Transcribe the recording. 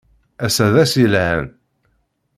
Ass-a d ass yelhan!